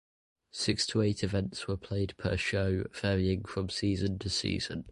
Six to eight events were played per show, varying from season to season.